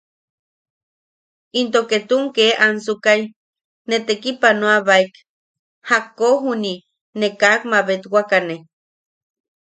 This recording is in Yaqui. Into ketun ke ansukai ne tekipanoabaek jakko juniʼi ne kak mabetwakane.